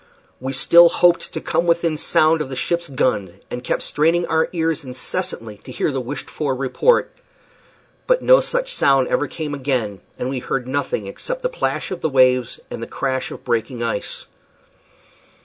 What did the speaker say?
We still hoped to come within sound of the ship's gun, and kept straining our ears incessantly to hear the wished for report. But no such sound ever came again, and we heard nothing except the plash of the waves and the crash of breaking ice.